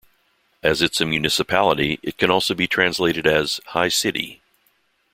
As it's a municipality, it can also be translated as "high city".